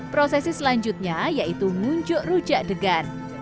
prosesi selanjutnya yaitu ngunjuk rujak degan